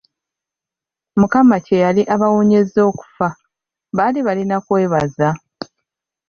Mukama ke yali abawonyeza okufa, baali balina kwebaza.